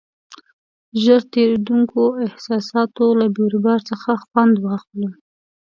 ژر تېرېدونکو احساساتو له بیروبار څخه خوند واخلو.